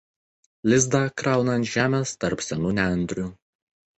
Lizdą krauna ant žemės tarp senų nendrių.